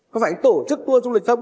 có phải anh tổ chức tour du lịch không